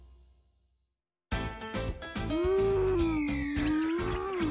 うん。